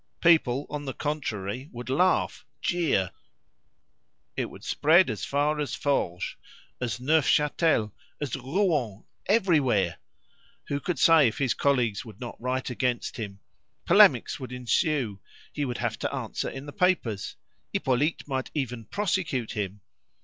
People, on the contrary, would laugh, jeer! It would spread as far as Forges, as Neufchâtel, as Rouen, everywhere! Who could say if his colleagues would not write against him. Polemics would ensue; he would have to answer in the papers. Hippolyte might even prosecute him.